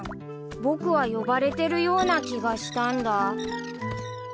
［僕は呼ばれてるような気がしたんだ］